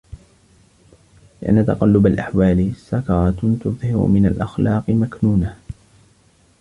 لِأَنَّ تَقَلُّبَ الْأَحْوَالِ سَكَرَةٌ تُظْهِرُ مِنْ الْأَخْلَاقِ مَكْنُونَهَا